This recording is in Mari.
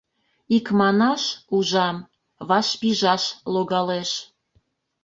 Икманаш, ужам, вашпижаш логалеш.